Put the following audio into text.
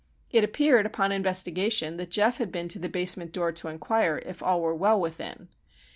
It appeared upon investigation that Geof had been to the basement door to inquire "if all were well within."